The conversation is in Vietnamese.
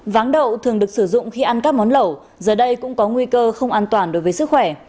váng đậu thường được sử dụng khi ăn các món lẩu giờ đây cũng có nguy cơ không an toàn đối với sức khỏe